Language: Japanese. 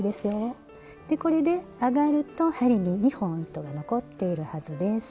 でこれで上がると針に２本糸が残っているはずです。